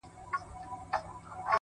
د نظرونو په بدل کي مي فکرونه راوړل’